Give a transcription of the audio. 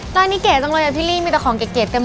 ตอนนี้เก๋จังเลยอะพิวรีมีแต่ของเก๋กันมาก